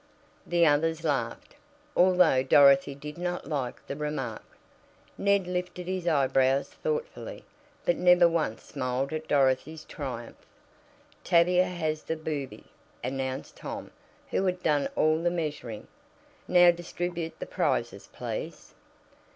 The others laughed, although Dorothy did not like the remark. Ned lifted his eyebrows thoughtfully, but never once smiled at Dorothy's triumph. "Tavia has the 'Booby,'" announced Tom, who had done all the measuring, "Now distribute the prizes, please."